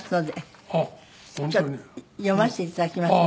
読ませて頂きますね。